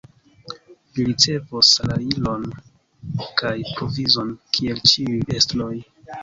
Vi ricevos salajron kaj provizon, kiel ĉiuj estroj!